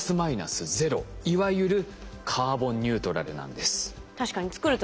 いわゆるカーボンニュートラルなんです。